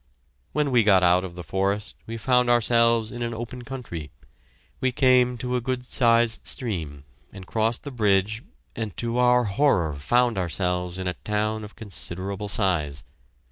When we got out of the forest we found ourselves in an open country. We came to a good sized stream, and crossed the bridge and to our horror found ourselves in a town of considerable size.